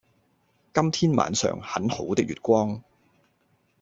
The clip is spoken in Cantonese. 今天晚上，很好的月光。